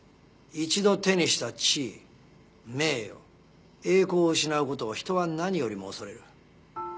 一度手にした地位名誉栄光を失う事を人は何よりも恐れる。